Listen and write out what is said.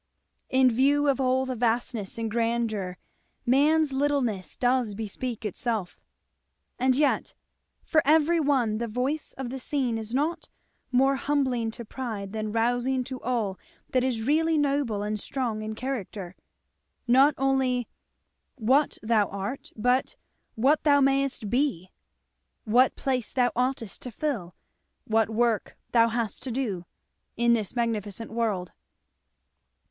In view of all that vastness and grandeur, man's littleness does bespeak itself. And yet, for every one, the voice of the scene is not more humbling to pride than rousing to all that is really noble and strong in character. Not only "What thou art," but "What thou mayest be!" What place thou oughtest to fill, what work thou hast to do, in this magnificent world.